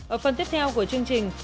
ở phần tiếp theo của chương trình